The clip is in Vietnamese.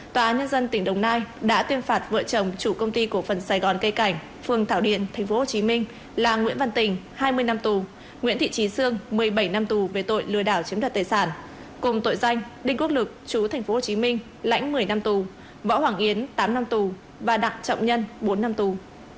tòa nhân dân tỉnh đồng nai đã tuyên phạt vợ chồng chủ công ty cổ phần sài gòn cây cảnh phường thảo điện tp hcm là nguyễn văn tình hai mươi năm tù nguyễn thị trí sương một mươi bảy năm tù về tội lừa đảo chiếm đoạt tài sản cùng tội danh đinh quốc lực chú tp hcm lãnh một mươi năm tù võ hoàng yến tám năm tù và đặng trọng nhân bốn năm tù